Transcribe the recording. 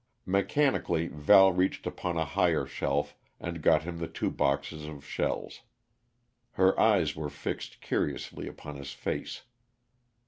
Mechanically Val reached upon a higher shelf and got him the two boxes of shells. Her eyes were fixed curiously upon his face.